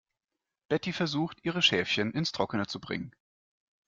Betty versucht, ihre Schäfchen ins Trockene zu bringen.